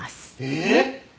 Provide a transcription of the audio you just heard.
えっ！？